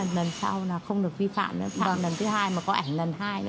nên là lần sau là không được vi phạm vi phạm lần thứ hai mà có ảnh lần hai